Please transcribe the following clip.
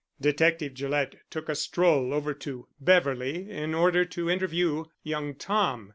Detective Gillett took a stroll over to "Beverley" in order to interview young Tom.